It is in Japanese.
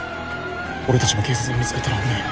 俺たちも警察に見つかったら危ない。